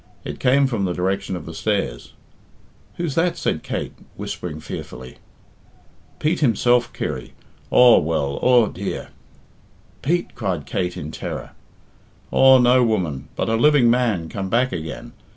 It came from the direction of the stairs. "Who's that?" said Kate, whispering fearfully. "Pete himself, Kirry. Aw well! Aw dear!" "Pete!" cried Kate in terror. "Aw, no, woman, but a living man come back again.